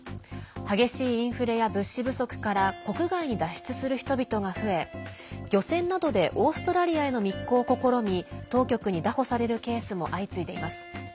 激しいインフレや物資不足から国外に脱出する人々が増え漁船などでオーストラリアへの密航を試み当局に拿捕されるケースも相次いでいます。